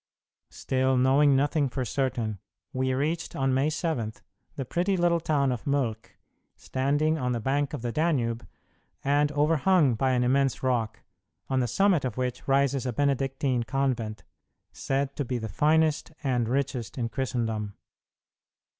Still knowing nothing for certain, we reached, on May 7, the pretty little town of Mölk, standing on the bank of the Danube, and overhung by an immense rock, on the summit of which rises a Benedictine convent, said to be the finest and richest in Christendom.